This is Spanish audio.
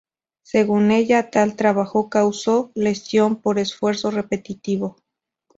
Según ella, tal trabajo causó Lesión por Esfuerzo Repetitivo.